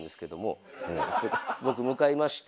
僕向かいまして。